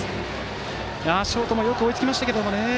ショートもよく追いつきましたが。